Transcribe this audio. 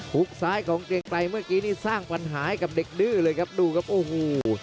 ุกซ้ายของเกียงไกรเมื่อกี้นี่สร้างปัญหาให้กับเด็กดื้อเลยครับดูครับโอ้โห